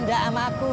ini suka gak sama aku